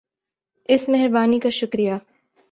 اس مہربانی کا شکریہ